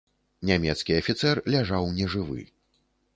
Нямецкі афіцэр ляжаў нежывы.